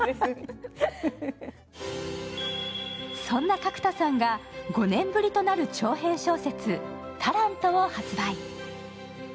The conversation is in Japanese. そんな角田さんが５年ぶりとなる長編小説「タラント」を発売。